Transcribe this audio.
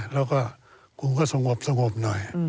แล้วก็คุณก็สงบหน่อย